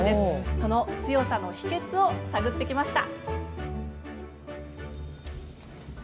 その強さの秘けつを探ってきました。